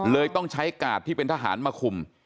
ต้องใช้กาดที่เป็นทหารมาคุม